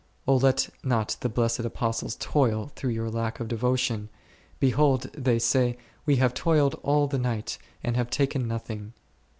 O let not the blessed Apostles toil through your lack of devotion. Behold, they say, we have toiled all the night and have taken nothing.